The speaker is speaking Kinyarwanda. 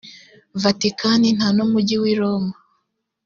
vatikani nta numujyi w’iroma.